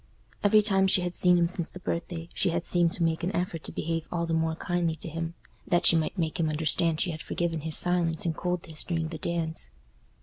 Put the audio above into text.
Every time she had seen him since the birthday, she had seemed to make an effort to behave all the more kindly to him, that she might make him understand she had forgiven his silence and coldness during the dance.